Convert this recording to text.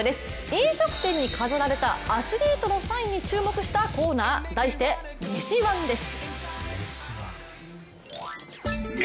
飲食店に飾られたアスリートのサインに注目したコーナー、題して「めしワン」です。